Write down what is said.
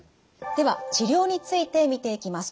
では治療について見ていきます。